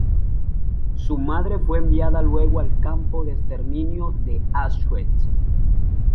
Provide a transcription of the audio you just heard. Su madre fue enviada luego al campo de exterminio de Auschwitz.